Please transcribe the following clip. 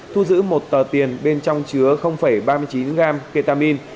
thu giữ một tờ tiền bên trong chứa ba mươi chín gram ketamin